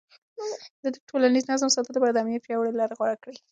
ده د ټولنيز نظم ساتلو لپاره د امنيت پياوړې لارې غوره کړې.